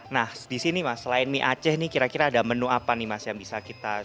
nah di sini mas selain mie aceh ini kira kira ada menu apa nih mas yang bisa kita